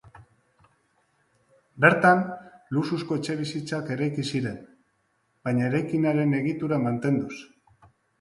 Bertan luxuzko etxebizitzak eraiki ziren, baina eraikinaren egitura mantenduz.